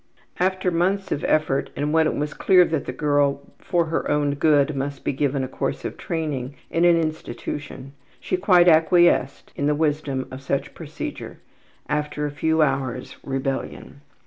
'' After months of effort and when it was clear that the girl for her own good must be given a course of training in an institution she quite acquiesced in the wisdom of such procedure, after a few hours' rebellion.